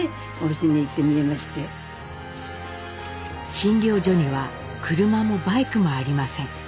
診療所には車もバイクもありません。